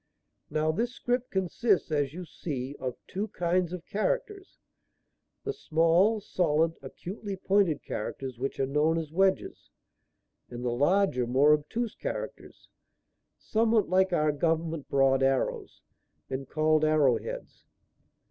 Now this script consists, as you see, of two kinds of characters; the small, solid, acutely pointed characters which are known as wedges, and the larger, more obtuse characters, somewhat like our government broad arrows, and called arrow heads.